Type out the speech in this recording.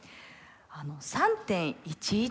３．１１